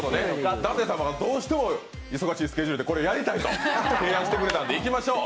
舘様がどうしても忙しいスケジュールでこれやりたいと提案してくれたんでいきましょう！